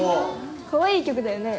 かわいい曲だよね。